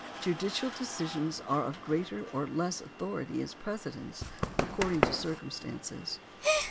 Judicial decisions are of greater or less authority as precedents according to circumstances.